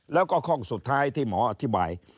แล้วก็ข้องสุดท้ายที่หมออธิบาย